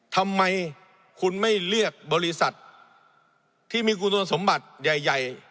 ทำไมคุณไม่เรียกบริษัทที่มีคุณสมบัติใหญ่